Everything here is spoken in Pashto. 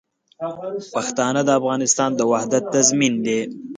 پښتانه د افغانستان د وحدت تضمین دي.